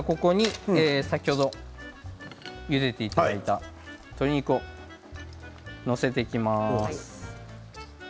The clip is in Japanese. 先ほど、ゆでていただいた鶏肉を載せていきます。